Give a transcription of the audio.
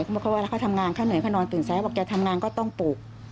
เขาบอกว่าเมื่อเขาทำงานข้างหน่อยเขานอนตื่นสายบอกว่าจะทำงานก็ต้องปลูก